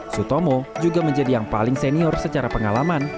sutomo juga menjadi yang paling senior secara pengalaman